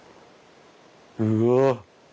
うわ！